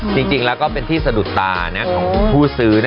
จริงแล้วก็เป็นที่สะดุดตาของผู้ซื้อ